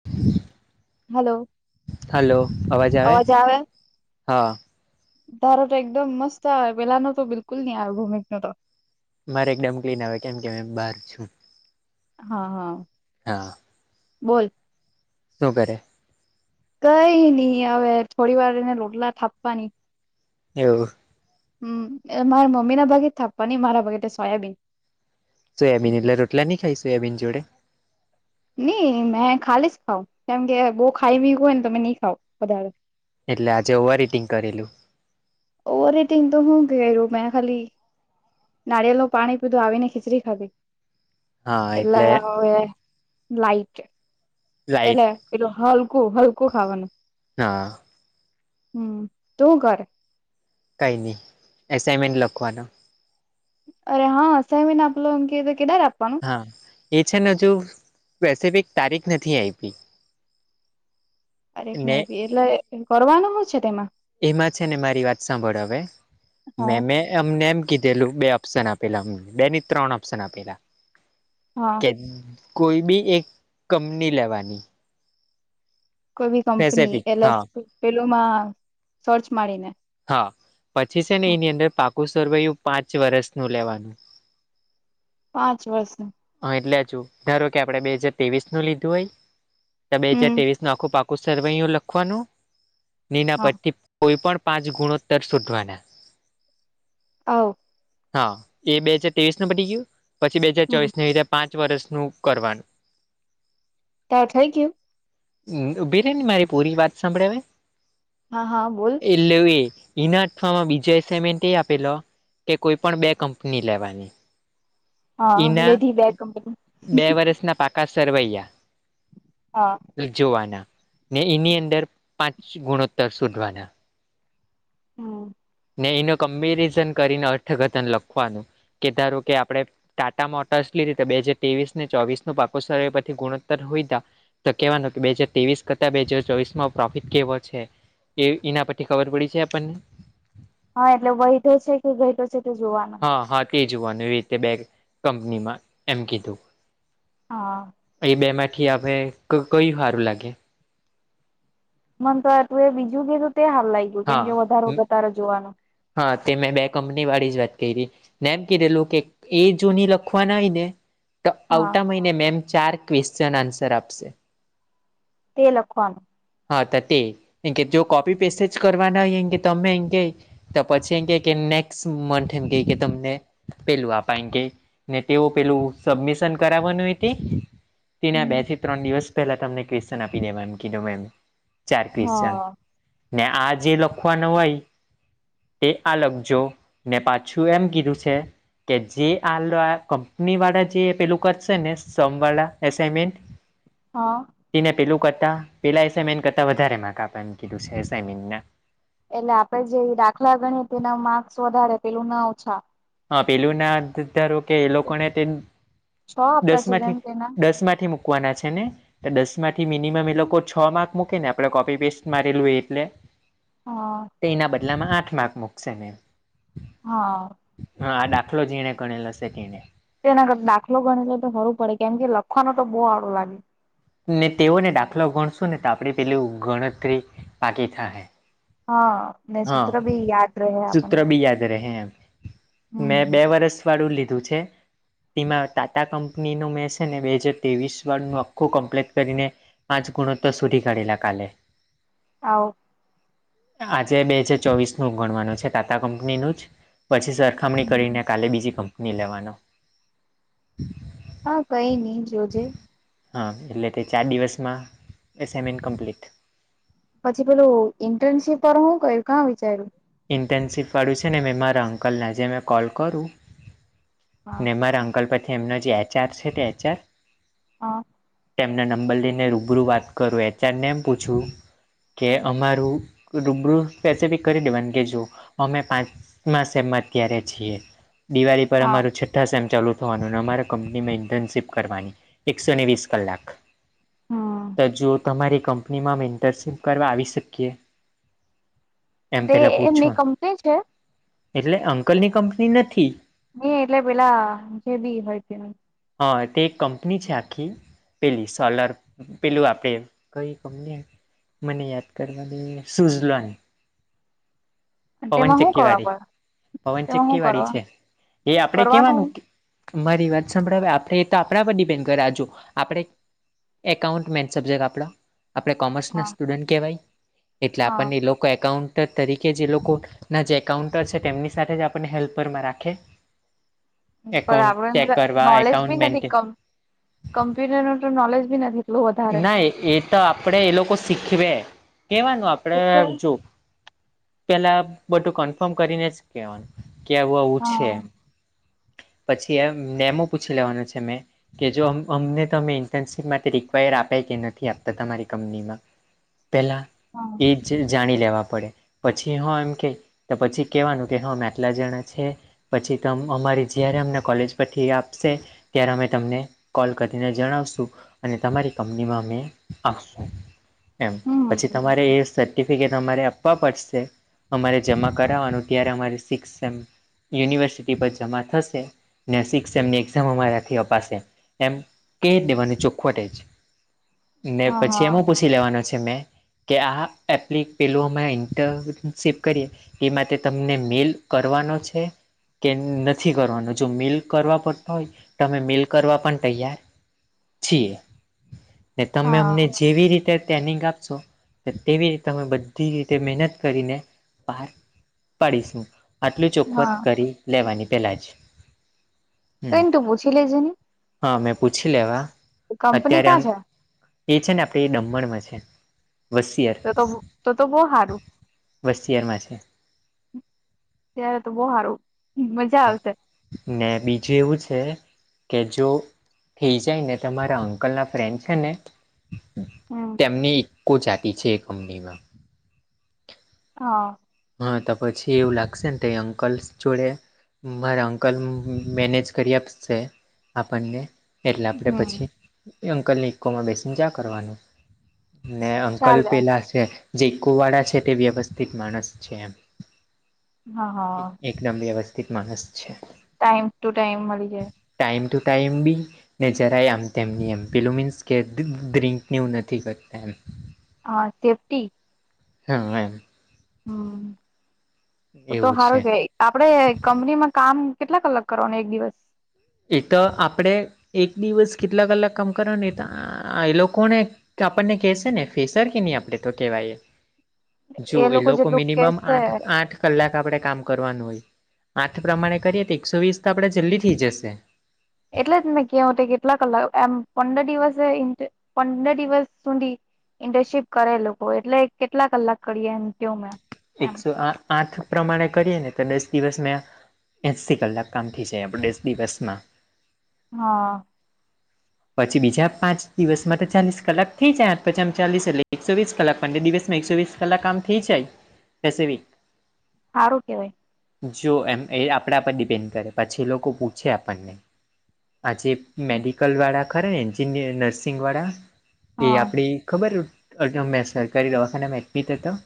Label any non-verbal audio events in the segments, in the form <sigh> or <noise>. <inaudible> હાલો hello અવાજ આવે હા તારો તો એકદમ મસ્ત આવે પેલા નો તો બિલકુલ ની આવે ભુમીક નો તો મારે એક દમ કિલીન આવે કેમ કે મેં બાર છું હા હા હા બોલ શું કરે કઈ ની અવે થોડી વાર રેયને લોટલા થાપવાની એવું હમ એ મારા મમ્મી ના ભાગે જ થાપવાની મારા ભાગે સોયાબીન સોયાબીન એટલે રોટલા ની ખાય સોયાબીન જોડે ની મે ખાલી જ ખાવ કેમ કે બો ખાઈ બી હોય ને તો તમે ની ખાવ વધારે એટલે આજે ઓવર ઇટિંગ કરેલું ઓવર ઈટિંગ તો હું મેં ખાલી નારિયેલ નું પાણી પીધું આવીને ખીચડી ખાધી એટલે અને લાઈટ લાઈટ એટલે એલું હલકું હલકું ખાવાનું હા હમ તું હુકરે કંઈ ની એસાઈમેન્ટ લખવાનો અરે હા <unintelligible> અને આપલો એમ કેયએ તો કેદાર આપવાનું હા એ છે ને હજુ સ્પેસિફિક તારીખ નથી આયપી <inaudible> તારીક ની આયપી એટલે કરવાનું હૂ છે તેમાં એમાં છે ને મારી વાત સાંભળ હવે હા. મેમે એમને એમ કીધેલું બે ઓપ્શન આપેલા અમને બેની ત્રણ ઓપ્શન આપેલા હા કે કોઈ બી એક કંપની લેવાની કોઈ બી કંપની સ્પેસિફિક એટલે હા પેલુંમાં સર્ચ મારી ને હા પછી છે ને એની અંદર પાકુ <unintelligible> પાંચ વર્ષનું લેવાનું પાંચ વર્ષ નુ હા એટલે જો ધારો કે આપણેે બે હાજર ત્રેવીસ નું લીધું હોય તો બે હાજર હમ ત્રેવીસ નું આખું પા સરવૈયો લખવાનું ને એના હા પરથી કોઈ પન પાંચ ગુણોત્તર સોધવાના આવુ હા એ બે હાજર ત્રેવીસ નું પડી ગયું પછી બે હાજર હમ ચોવીસને રીતે પાંચ વર્ષનું કરવાનું <unintelligible> <unintelligible> હા હા બોલ <unintelligible> એ આપેલો કે કોઈ પણ બે કંપની લેવાની હા ના લેધી બે કંપની બે વરષના પાકા સરવૈયા હા જોવાના ને એની અંદર પાંચ ગુણોત્તર શોધવાના હમ. ને એનો કમ્પેરિઝન કરીને અર્થઘથન લખવાનું કે ધારો કે આપણે ટાટા મોટર્સ રીતે બે હાજર ત્રેવીસ ને ચોવીસ નું પાકો સરવૈયુ પરથી ગુણોત્તર હોયધા તો કેવાનું કે બે હાજર ત્રેવીસ કરતા બે હાજર ચોવીસમાં પ્રોફિટ કેવો છે. એ ઈના પરથી ખબર પડી છે, આપણને હ એટલે વયધો છે, કે ધયતો છે, તો જોવાનો હ હામ તે જોવાનું એવી રીતે બે કંપનીમાં એમ કીધું હ. એ બે માંથી આપણે ક કયું હારું લાગે મન તો તુંએ બીજું કીધું તે હાર લાયયું કેમ કે વધારો વધારો જોવાનો હ તે મેં બે કંપની વાળી જ વાત કયરી ને એમ કધેલું કે એ જો ની લખવા હોય ને ત હા આવતા મહિને મેમ ચાર ક્વેશ્ચન આન્સર આપશે તે લખવાનું હ ત તે એ કે જો કોપી પેસેજ કરવાના હોય એ કે તમે એમ કેય ત પછી એમ કેય કે નેક્મંથ એમ કેય તમને પેલું આપા એમ કેય ને તેઓ પેલું સબમિશન કરાવવાનું હોય તે તેના બે હમ થી ત્રણ દિવસ પહેલા તમને ક્વેચન આપી દેવા એમ કીધું મેમ ચાર ક્વેશ્ચન હા ને આ જે લખવાનો હોય તે આ લખજો ને પાછું એમ કીધું છે. કે જે આ <unintelligible> કંપની વાળા જે પેલું કરશે ને સોમ વાળા એસામેન્ટ <inaudible> હ. તેને પેલું કરતા પેલા એસાયમેન કરતા વધારે માક આપા એમ કીધું છે, એસાયમેનના એટલે આપડે જે દાખલા ગણીએ તેના માર્ક્સ વધારે પેલું ના ઓછા હ પેલું ના ધારો કે એ છ લોકોણે તે હપ્તા દસ છે માંથી જેમ તેના દસ માંથી મૂકવાના છે, ને ત દસ માંથી મિનિમમ એ લોકો છ માર્ક મૂકે ને આપડણે કોપી પેસ્ટ મારેલું હોય એટલે હ. તેના બદલામાં આઠ માર્ક મુકશે મેમ હ. હા આ દાખલો જીણે ગણેલો શે તેણે તેના ગર દાખલો ગણીલે તો હોરુ પડે, કેમ કે લખવાનો તો બહુ આડો લાગે. ને તેઓને દાખલો ગણશું ને તો આપડી પેલુ ગણતરી પાકી થાહે હ. હ સૂત્ર બી યાદ રેહે એમેં હમ બે વર્ષ વાળું લીધું છે. તીમાં ટાટા કંપનીનું મેં છે, ને બે હજાર ત્રેવીસ વાળનું આખું કમ્પ્લેટ કરીને પાંચ ગુણોતર સુધી કાઢેલા કાલે આવ આજે બે હજાર ચોવીસ નું ગણવાનું છે, ટાટા કંપનીનું જ પછી સરખામણી કરીને કાલે બીજી કંપની લેવાનો હ કઈ ની જોજે હ એટલે તે ચાર દિવસમાં એસાઇમેન્ટ કમ્પ્લીટ પછી પેલું ઇન્ટર્નશીપ પર હું ક્યું કા વિચાર્યું ઇન્ટર્નશીપવાળું છે, ને મેં મારા અંકલને આજે મેં કોલ કરું હા ને મારા અંકલ પરથી એમનો જે એચઆર છે, તે એચઆર હ. તેમના નંબર લઈને રૂબરૂ વાત કરું એચઆરને એમ પૂછું કે અમારું રૂબરૂ સ્પેસિફિક કરી દેવા કે જો અમે પાંચ્યારે છીએ દિવાળી પર હા અમાર છ થાસ એમ ચાલુ થવાનું અમારા કંપનીમાં ઇન્ટર્નશીપ કરવાની એકસો ને વીસ કલાક હમ તો જો તમારી કંપનીમાં ઇન્ટરનશીપ કરવા આવી શકીએ. એમ તે પેલા એમની પૂછવા કંપની છે એટલે અંકલની કંપની નથી. નહિ એટલે પેલા જે બી હોય તે હા તે એક કંપની છે આખી પેલી સોલર પેલું આપણે કઈ કંપની-' મને યાદ કરવાની સુઝલોન તેમાં હું પવનચક્કી કરવા વાડી પડે તેમાં પવનચક્કી હું વાડી કરવા છે એ આપડે કરવાનું કેવાનું મારી વાત સાંભળાવે આપણે એ તો આપણા વડી બેહેન ઘર આજુ આપડ એકાઉન્ટ્સ મેઇન સબજેક્ટ આપના આપણે કોમર્સ ના હા સ્ટુડન્ટ કહેવાય એટલે હા આપણને એકાઉન્ટર તરીકે જે લોકો ના જે એકાઉન્ટર છે તેમની સાથે જ આપણને હેલ્પરમાં રાખે <inaudible> પણ એકાઉન્ટ ચેક આપડે કરવા નોલેજ બી એકાઉન્ટ મેન્ટેન નથીમ કમ્પ્યુટર ન તો નોલેજ બી નથી. એટલું વધારે નહિ એ તો આપડે એ લોકો શીખવે કેવાનું આપડે ઠીક છે જો પેલા બધું કન્ફર્મ કરીને જ કેવાનું કે આવું આવું છે. હા પછી એ નેમો પૂછી લેવાનો છે મેં કે જો અમને તો અમે ઇન્ટર્નશીપ માટે રિક્વાયર આપે કે નથી આપતા તમારી કંપનીમાં પેલા હા ઈદ જે જાણી લેવા પડે પછી હં એમ ક તો પછી કહેવાનું કે હા મેટલા જણા છે. પછી તમ અમારી જ્યારે અમને કોલેજ પરછી આપશે ત્યારે અમે તમને કોલ કરીને જણાવશું અને તમારી કંપનીમાં અમે આપશું એમ પછી હમ તમારે એ ટ આપવા પડશે અમારે જમા કરનું તમાિક યુનિવર્સિટી પર જમા થશે સિક્ એમની એક્ઝામ અમારાથી અપાશે એમ કે દેવાનું ચોખવટે જ ને હા પછી હા એમ પૂછી લેવાનો છે મેં કે આ એપ્લ પેલું અમે ઇન્ટરનશેપ કરીએ એ માટે તમને મેલ કરવાનો છે કે નથી. નથી કરવાનો જો મેઇલ કરવા પડતો હોય તો અમે મેઇલ કરવા પણ તૈયાર છીએ ને તમે અમને હા જેવી રીતે ટ્રેનિંગ આપ તેવીતે તમે બધી રીતે મહેનત કરીને બાર પાડીશું આટલું ચોખવત હા કરી લેવાની પહેલા જ કંઈ હમ નહીં તુ પૂછી લેજે લે જ નને હા મેં પૂછી લેવા કંપની અત્યારે અ કાં છે એ છે ને આપડે એ દમણમાં છે વસિયત તો તો તો તો બહુ સારું બસ્તીયારમાં છે. ત્યારે તો બહુ સારું મજા આવશે ને બીજું એવું છે કે જો થઈ જાય ને તમારા અંકલના ફ્રેન્ડ છે ને હમ તેમની એકકો જાતિ છે એ કંપનીમાં હા હા તો પછી એવું લાગશે ને તે અંકલસ જોડે મારા અંકલ મેનેજ કરી આપશે આપણને એટલે આપણે હમ પછી અંકલને ઇકોમાં બેસીને જા કરવાનું ને અંકલ ચાલે પેલા છે જે ઈકુ વાળા છે તે વ્યવસ્થિત માણસ હા હા એકદમ વ્યવસ્થિત માણસ છે. ટાઈમ ટુ ટાઈમ મળી જાય ટાઈમ ટુ ટાઈમ બી જરાય આમ તેમમ કેું નથી કરતા એ હા સેફ્ટી હ લાઈન હમ્મ તો એવું છે સારું કેવાય આપડે કંપનીમાં કામ કેટલા કલાક કરવાનો એક દિવસ એ તો આપણેે એક દિવસ કેટલા કલાક કામ કર્યા ને તો આ એ લોકોને કે આપણને કેહેશે ને ફેસર કે નહી આપડે તો કેવાય જો એ લોકો મિનિમમ આઠ આઠ કલાક આપડે કામ કરવાનું હોય આઠ પ્રમાણે કરીએ તો એકસો વીસ તો આપણેે જલ્દી થથી જશે. એટલે જ મેં કહું કેટલા કલાક એમ પંદર દિવસે પંદર દિવસ સુધી ઇન્ટર્નશીપ કરે લોકો એટલે કેટલા કલાક કરીએ એમકે મેં એમ એકસો આ આઠ પ્રમાણે કરીએ ને તો દસ દિવસ મેં એંસીથી કલાક કામ થઈ જાય આપણે દસ દિવસમાં હા. પછી બીજા પાંચ દિવસમાં તો ચાલીસ કલાક થઈ જાય પછી આમ ચાલીસ એટલે એકસો વીસ કલાક પણ દિવસમાં એકસો વીસ કલાક કામ થઈ જાય પેસિફિક સારું કેવાય જો એમ એ આપણા પર ડિપેન્ડ કરે પછી એ લોકો પૂછે આપણને આજે મેડિકલ વાળા ખરા ને એન્જિનય નર્સિંગ વાળા એ હા આપડી ખબર અમે સરકારી દવાખાનામાં એડમિટ હતા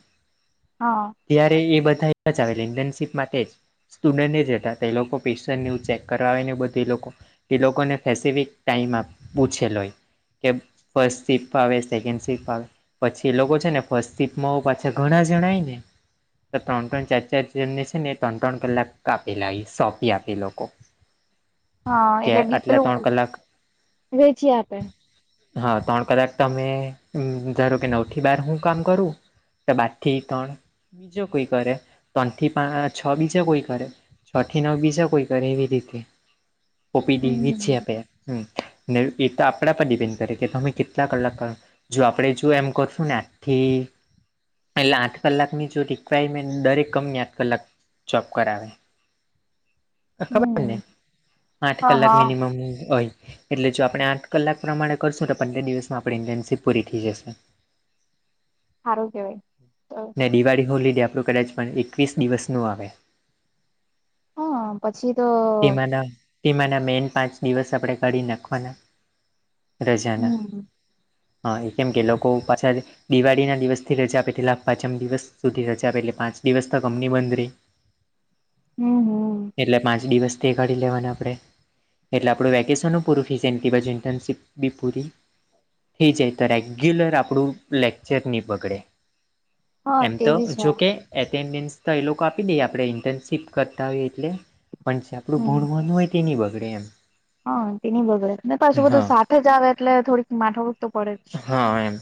હા. ત્યારે એ બધા જ આવે ઇન્ટર્નશીપ માટે જ સ્ટુડન્ટ ન જ હતા એ લોકો પેશન્ટ ને એવું ચેક કરવા આવે ને બધુ એ લોકો એ લોકોને પેસિફિક ટાઈમ આમ પૂછેલો હોય. એમ ફર્સ્ટ સીટ પાવે સેકન્ડ સીટ પાવે પછી એ લોકો છે ને ફસ્તિતમાં ઓ પાછા ઘણ જણા હે ને ત્રણ ત્રણ ચાર ચાર જણને છે ને એ ત્રણ ત્રણ કલાક આપી લા હે સોંપી આપી લોકો <inaudible> હા કે એટલે આટલા ડીપેલું ત્રણ કલાક વેચી આપે હા ત્રણ કલાક તમે ધારો કે નવ થી બાર હું કામ કરું તો બાર થી ત્રણ બીજો કોઈ કરે ત્રણથી પાચ છ બીજો કોઈ કરે છ થી નવ બીજા કોઈ કરે એવી રીતે ઓપીડી છે હમ આપે હમ્મ નેલ પીતો આપણા પર ડિપેન્ડ કરે કે તમે કેટલા કલાક કામ જો આપડે જો એમ કરશું ને આખી એટલે આઠ કલાકની જો રિક્વાયરમેન્ટ દરેક કંપની આઠ કલાક જોબ કરાવે તન ખબર ને હમ આઠ હા કલાક હા મિનિમમ હોય એટલે જો આપણે આઠ કલાક પ્રમાણે કરશું તો પંદર દિવસમાં આપણી ઇન્ટેન્શિપ પૂરી થઈ જશે હારુ કેવાય તો દિવાળી હોલીડે આપણું કદાચ પણ એકવીસ દિવસનું આવે હા પછી તો તેમાંના તેમાંના મેન પાંચ દિવસ આપણેે કરી નાખવાના રજાના હમ હા એ કેમ કે લોકો પાછા દિવાળીના દિવસથી રજા આપે એટલા પાંચમ દિવસ સુધી રજા આપે એટલે પાંચ દિવસ તો કંપની બંધ રહી <inaudible> હમ્મ હમ્મ. એટલે પાંચ દિવસ તે કાઢી લેવાના આપણે એટલે આપણું વેકેશનનું પૂરું ફીસ એ પછી ઇન્ટર્નશીપ બી પૂરી એ જાય તો રેગ્યુલર આપણું લેક્ચર નહીં બગડે. હા એમ તો તેવી છે જોકે એટેન્ડન્સ તો એ લોકો આપી દે આપણે ઇન્ટર્નશીપ કરતા હોયએ એટલે પણ જે આપણું હમ ભણવાનું હોય તે નઈ બગડે એમ. હા તેની બગડે પાછું હા બધું સાથે જ આવે એટલે થોડીક માથાકુટ તો પડે જ. હા એમ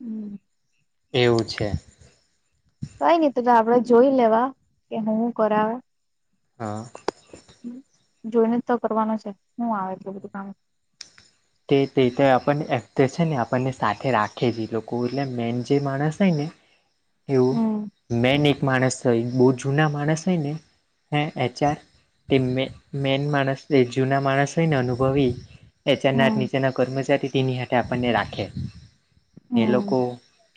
હમ એવું છે. કઈ નહ તો આપડે જોઈ લેવા કે હું કરાવ <inaudible> જોઈને જ તો કરવાનો છે, <unintelligible> આવે એટલ બધું કામ. તે તે તો આપણને એક્ટ છે, ને આપણને સાથે રાખે જ એ લોકો એટલે મેન જે માણસ હોય ને એવું હમ મેન એક માણસ <unintelligible> તો બહુ જૂના માણસ હોય ને હે એચઆર તે <unintelligible> મેન માણસ એ જૂના માણસ હોય ને અનુભવી નીચાના હમ નીચાના કર્મચારી તેની <unintelligible> આપણને રાખે ને હમ લોકો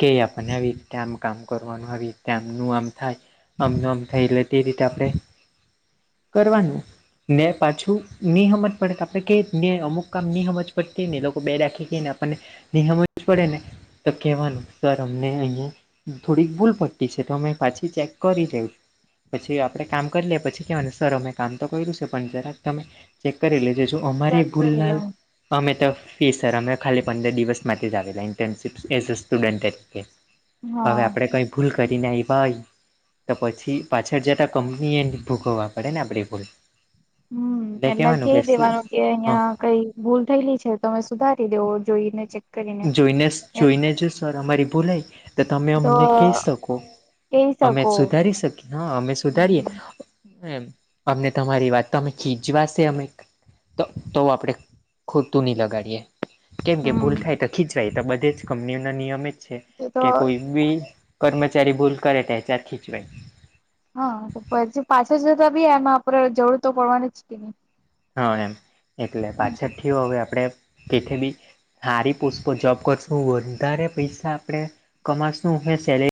કે આપણને આવી રીતે આમ કામ કરવાનું આવી રીતે આમનું આમ થાય. આમને આમ થઈ લે તે રીતે આપડે કરવાનું ને પાછું <unintelligible> જ પડે તો આપણે ક ને અમુક કામ નિહમ જ પડતી ને લોકો બે રાખી આપણને નિહમ જ પડે ને તો કેવાનું સર અમને અહિયાં થોડીક ભૂલ પટ્ટી છે, તો અમે પાછી ચેક કરી લેવ પછી આપણે કામ કરી લેએ પછી કહેવાય સર અમે કામ તો કર્યું છે, પણ જરાક તમે ચેક કરી લેજે <unintelligible> અમારી ચેક કરી લઉ ભૂલલાલ અમે તો ફી સર અમે ખાલી પંદર દિવસ માટેથી જ આવેલા ઇન્ટર્નશીપ એઝ અ સ્ટુડન્ટ તરીકે હવે હા આપડે કઈ ભૂલ કરી <unintelligible> તો પછી પાછળ જતા કંપની એ ભૂગવવા પડે ને <unintelligible> હમ એટલે એલા કહેવાનું ક કે દેવાનું કે હા અહિયાં કઈ ભૂલ થયેલી છે, તો તમે સુધારી દેવો જોઈને કરીને <unintelligible> જોઈને જો સર અમારી ભોલાય તો તમે અમને કહી શકો કહી અમે શકો સુધારી શકીએ હા અમે સુધારીએ <unintelligible> અમને તમારી વાત તો અમે ખીજવાશે અમે તો તો આપણે ખોટું નહીં લગાડીએ કેમ કે ભૂલ હમ થાય તો ખીચવાય તો બધ જ કંપનીઓ ના નિયમ તો તો કે કોઈ બી કર્મચારી ભૂલ કરે <unintelligible> હા તો પછી પાછા જતા બી એમાં આપણે જરૂર તો પડવાની જ કે નહી હા એમ એટલે પાછળ થી હવે આપણેે તે બી સારી પોસ્ટ પર જોબ કરશું વધારે પૈસા આપણે કમાશું હ સેલેરી